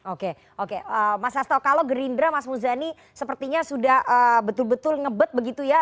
oke oke mas sasto kalau gerindra mas muzani sepertinya sudah betul betul ngebet begitu ya